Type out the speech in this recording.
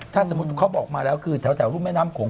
ถ้าสมมุติเขาบอกมาแล้วคือแถวรุ่นแม่น้ำโขง